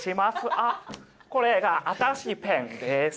あっこれが新しいペンです。